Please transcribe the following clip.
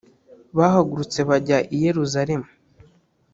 bahagurutse bajya i yeluzaremu.